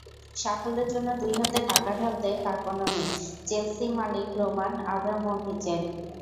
সাফল্যের জন্য দুই হাতে টাকা ঢালতে কার্পণ্য নেই চেলসি মালিক রোমান আব্রামোভিচের।